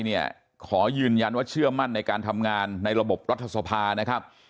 เนี่ยขอยืนยันว่าเชื่อมั่นในการทำงานในระบบรัฐธรรษภานะ